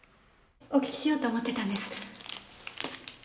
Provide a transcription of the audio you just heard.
お聞きしようと思ってたんです。